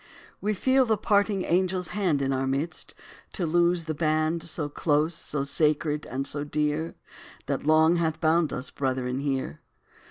We feel the parting angel's hand Is in our midst, to loose the band So close, so sacred, and so dear, That long hath bound us, brethren, here.